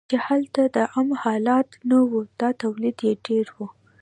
چې هلته د عم حاصلات نه وو او تولید یې ډېر و.